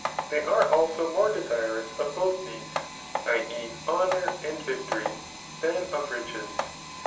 They are also more desirous of both these [i. e. honour and victory] than of riches.